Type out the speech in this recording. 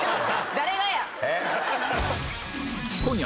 誰がや！